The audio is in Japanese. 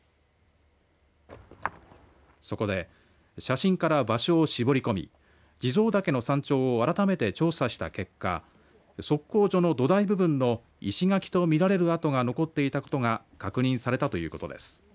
そこで写真から場所を絞り込み地蔵岳の山頂を改めて調査した結果測候所の土台部分の石垣とみられる跡が残っていたことが確認されたということです。